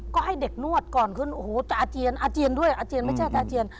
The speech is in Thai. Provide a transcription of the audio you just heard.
ก็ให้เด็กนวดก่อนขึ้นโอ้โหแต่อาเจียนอาเจียนด้วยอาเจียนไม่ใช่อาเจียน